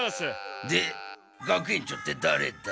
で学園長ってだれだ？